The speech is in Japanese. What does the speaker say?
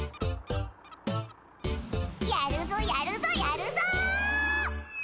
やるぞやるぞやるぞ！